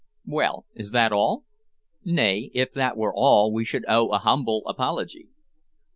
Well, is that all? Nay, if that were all we should owe you a humble apology.